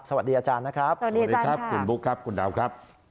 สวัสดีอาจารย์นะครับสวัสดีอาจารย์ค่ะสวัสดีครับคุณบุ๊คครับคุณดาวครับ